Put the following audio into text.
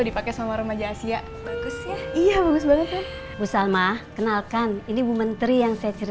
dia belum ngerti